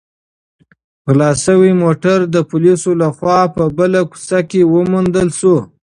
غلا شوی موټر د پولیسو لخوا په بله کوڅه کې وموندل شو.